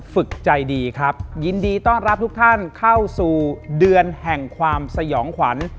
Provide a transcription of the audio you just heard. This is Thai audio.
ฝึกใจดีครับยินดีต้อนรับทุกท่านเข้าสู่เดือนแห่งความสยองขวัญ